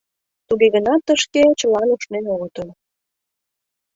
Туге гынат тышке чылан ушнен огытыл.